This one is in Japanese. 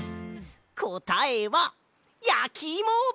こたえはやきいも！